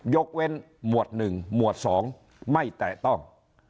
ยกเว้นหมวดหนึ่งหมวดสองไม่แตะต้อง